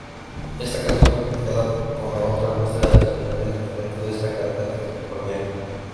Esta canción fue criticada como Otra muestra del sorprendente talento de esta cantante californiana.